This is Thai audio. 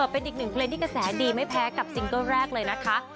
เป็นอีกหนึ่งเพลงที่กระแสดีไม่แพ้กับซิงเกิ้ลแรกเลยนะคะ